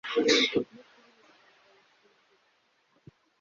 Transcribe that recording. no kuba inyangamugayo shingiro